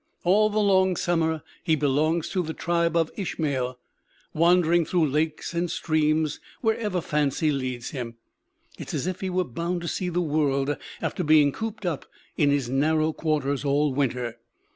All the long summer he belongs to the tribe of Ishmael, wandering through lakes and streams wherever fancy leads him. It is as if he were bound to see the world after being cooped up in his narrow quarters all winter.